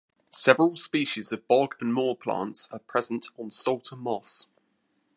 Several species of bog and moor plants are present on Salta Moss.